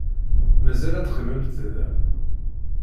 Mazal ad teqqimemt da?